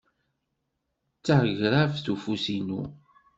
Tagrabt ufus inu.